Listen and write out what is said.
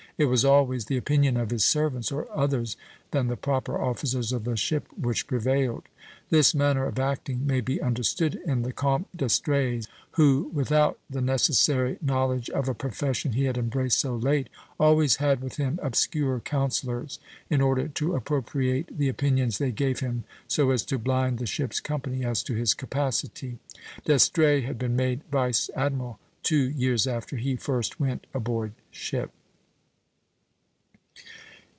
It was always the opinion of his servants, or others than the proper officers of the ship, which prevailed. This manner of acting may be understood in the Comte d'Estrées, who, without the necessary knowledge of a profession he had embraced so late, always had with him obscure counsellors, in order to appropriate the opinions they gave him so as to blind the ship's company as to his capacity." D'Estrées had been made vice admiral two years after he first went aboard ship.